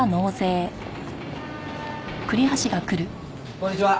こんにちは。